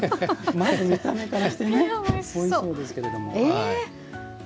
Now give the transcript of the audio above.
まず見た目からしてねおいしそうですけれども。